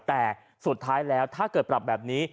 แต่สุดท้ายแล้วถ้าเกิดปรับแบบนี้